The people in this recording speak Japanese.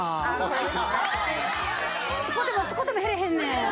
使うても使うても減れへんねん。